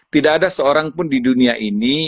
tidak ada seorang pun di dunia ini